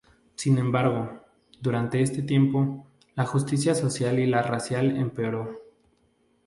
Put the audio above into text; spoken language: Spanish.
Sin embargo, durante este tiempo, la justicia social y la racial empeoró.